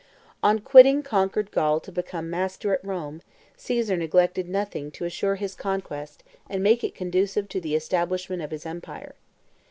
On quitting conquered Gaul to become master at Rome, Caesar neglected nothing to assure his conquest and make it conducive to the establishment of his empire.